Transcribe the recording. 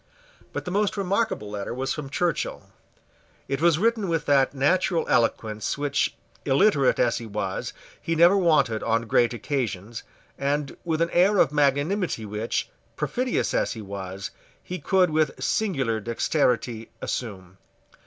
But the most remarkable letter was from Churchill. It was written with that natural eloquence which, illiterate as he was, he never wanted on great occasions, and with an air of magnanimity which, perfidious as he was, he could with singular dexterity assume.